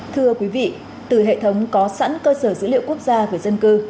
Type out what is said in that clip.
thưa quý vị từ hệ thống có sẵn cơ sở dữ liệu quốc gia về dân cư